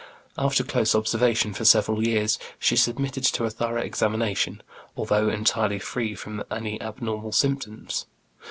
After close observation for several years, she submitted to a thorough examination, although entirely free from any abnormal symptoms.